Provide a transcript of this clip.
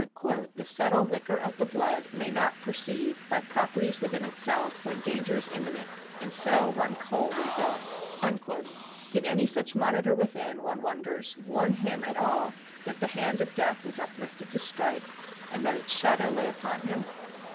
Writing many years before, he had asked whether the "subtle liquor of the blood" may not "perceive, by properties within itself," when danger is imminent, and so "run cold and dull"? Did any such monitor within, one wonders, warn him at all that the hand of death was uplifted to strike, and that its shadow lay upon him?